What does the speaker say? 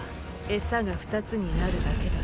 エサが二つになるだけだ。